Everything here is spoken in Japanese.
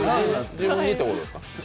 自分にということですか？